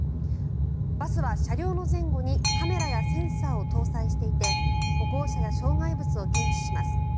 バスは車両の前後にカメラやセンサーを搭載していて歩行者や障害物を検知します。